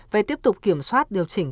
về tiếp tục kiểm soát điều chỉnh